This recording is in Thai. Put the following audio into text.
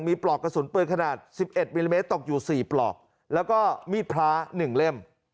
มีปลอกกระสุนปืนขนาด๑๑มิลลิเมตรตกอยู่๔ปลอกแล้วก็มีดพระ๑เล่ม